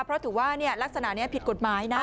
เพราะถือว่าลักษณะนี้ผิดกฎหมายนะ